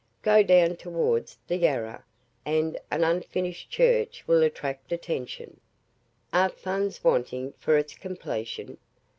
Go down towards the Yarra, and an unfinished Church will attract attention. Are funds wanting for its completion?